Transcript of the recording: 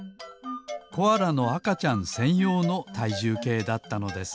コアラのあかちゃんせんようのたいじゅうけいだったのです。